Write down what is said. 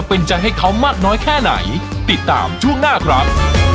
โปรดติดตามตอนต่อไป